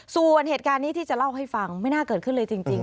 ส่วนเหตุการณ์นี้ที่จะเล่าให้ฟังไม่น่าเกิดขึ้นเลยจริง